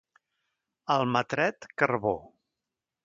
A Almatret, carbó.